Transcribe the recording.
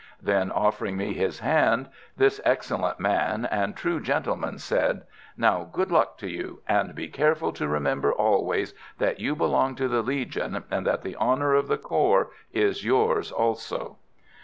Then, offering me his hand, this excellent man and true gentleman said: "Now, good luck to you; and be careful to remember always that you belong to the Legion, and that the honour of the corps is yours also."